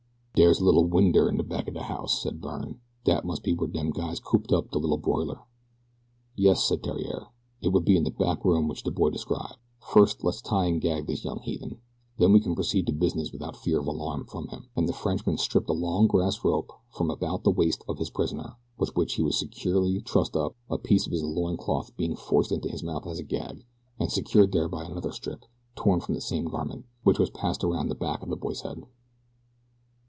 "Dere's a little winder in de back of de house," said Byrne. "Dat must be where dem guys cooped up de little broiler." "Yes," said Theriere, "it would be in the back room which the boy described. First let's tie and gag this young heathen, and then we can proceed to business without fear of alarm from him," and the Frenchman stripped a long, grass rope from about the waist of his prisoner, with which he was securely trussed up, a piece of his loin cloth being forced into his mouth as a gag, and secured there by another strip, torn from the same garment, which was passed around the back of the boy's head.